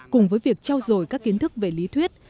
cùng với việc trao dồi các kiến thức về lý thuyết